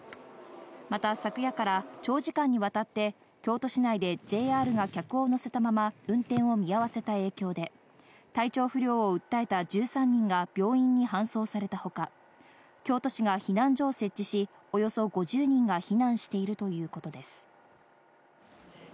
また、昨夜から長時間にわたって京都市内でＪＲが客を乗せたまま、運転を見合わせた影響で体調不良を訴えた１３人が病院に搬送されたほか、京都市が避難所を設置し、およそ５０人が避難しているということです。